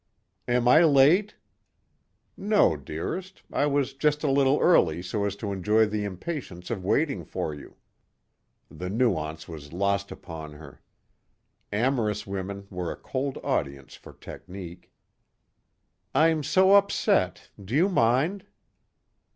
"Am I late?" "No, dearest. I was just a little early so as to enjoy the impatience of waiting for you." The nuance was lost upon her. Amorous women were a cold audience for technique. "I'm so upset. Do you mind?"